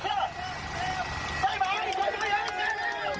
ใช่ไหมอยู่ตรงนั้นอยู่ตรงนั้น